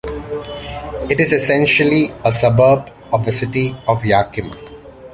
It is essentially a suburb of the city of Yakima.